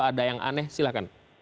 ada yang aneh silahkan